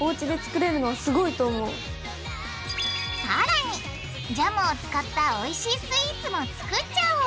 さらにジャムを使ったおいしいスイーツも作っちゃおう！